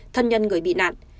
thân nhân người bị nạn